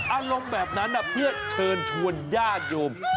อารมณ์แบบนั้นเพื่อเชิญชวนญาติโยม